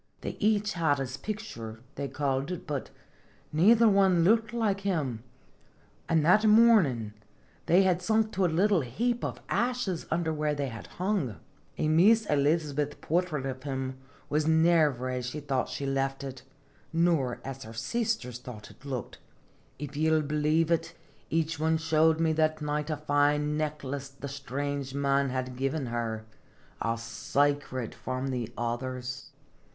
They each had his picture, they called it, but neither one looked like him, an' that mornin' they had sunk to a little heap of ashes under where they had hung! An' Miss Elizabeth's portrait of him was never as she thought she left it, nor as her sisters thought it looked, but it was like him as I saw him, only it had no eyes !" If ye' 11 believe it each one showed me that night a fine necklace the strange man had given her, a secret from the others.